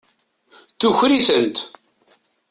Tuker-itent.